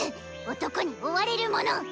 男に追われるもの！